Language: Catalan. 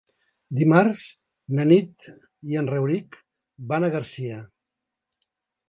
Dimarts na Nit i en Rauric van a Garcia.